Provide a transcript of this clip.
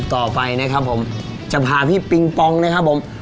ต่อไปนะครับผมจะพาพี่ปิงปองนะครับผม